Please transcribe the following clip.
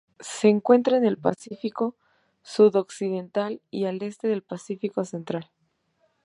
Se encuentra en el Pacífico sudoccidental y al este del Pacífico central.